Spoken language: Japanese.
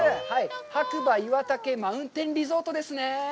白馬岩岳マウンテンリゾートですね。